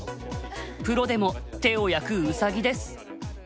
プロでも手を焼くウサギです。